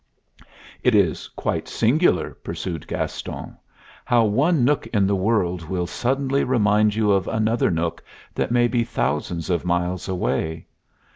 "It is quite singular," pursued Gaston, "how one nook in the world will suddenly remind you of another nook that may be thousands of miles away.